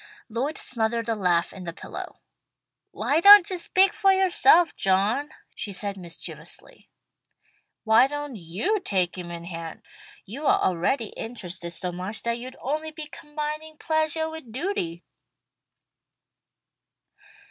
Lloyd smothered a laugh in the pillow. "'Why don't you speak for yourself, John,'" she said mischievously. "Why don't you take him in hand? You are already interested so much that you'd only be combining pleasuah with duty."